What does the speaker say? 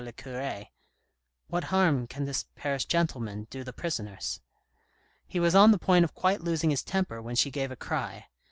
le cure, " What harm can this Paris gentleman do the prisoners ?" He was on the point of quite losing his temper when she gave a cry.